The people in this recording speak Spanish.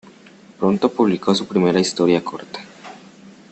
Pronto publicó su primera historia corta.